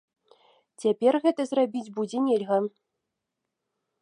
Цяпер гэта зрабіць будзе нельга.